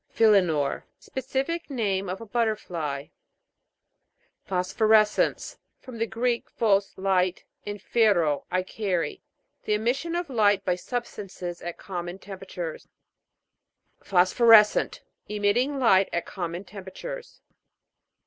PHILE'NOR. Specific name of a but terfly. PHOSPHORES'CENCE. From the Greek, phds, light, and phero, I carry. The emission of light by substan ces at common temperatures. PHOSPHORES'CENT. Emitting light at common temperatures.